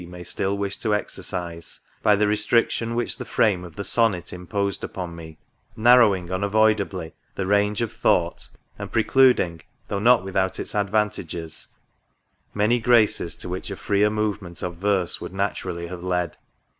may still wish to exercise, by the restriction which the frame of the Sonnet imposed upon me, narrowing unavoidably the range of thought, and precluding, though not without its advantages, many graces to which a freer movement of verse would na turally have led.